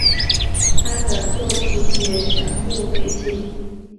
他的作品也全部被禁。